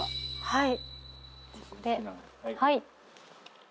はい。